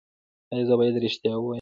ایا زه باید ریښتیا ووایم؟